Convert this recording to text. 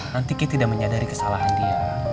nanti kita tidak menyadari kesalahan dia